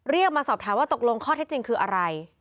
มาสอบถามว่าตกลงข้อเท็จจริงคืออะไร